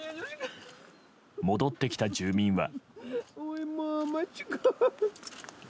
戻ってきた住民は。